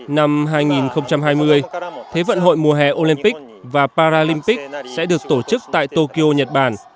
năm hai nghìn hai mươi thế vận hội mùa hè olympic và paralympic sẽ được tổ chức tại tokyo nhật bản